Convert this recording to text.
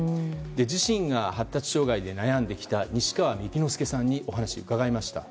自身が発達障害で悩んできた西川幹之佑さんにお話を伺いました。